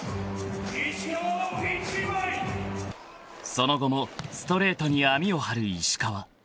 ［その後もストレートに網を張る石川］